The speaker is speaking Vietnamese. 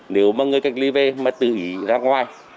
nếu mà người cách ly về mà tự ý ra ngoài